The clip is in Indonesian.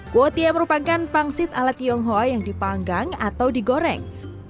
kuotia merupakan pangsit ala tionghoa yang dipanggang atau digoreng